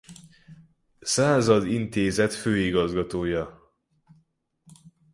Század Intézet főigazgatója.